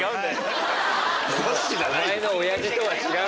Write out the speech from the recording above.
お前のおやじとは違う。